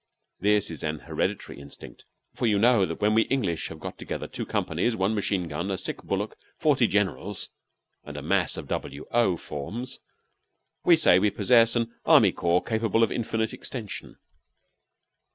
This is an hereditary instinct, for you know that when we English have got together two companies, one machine gun, a sick bullock, forty generals, and a mass of W. O. forms, we say we possess "an army corps capable of indefinite extension."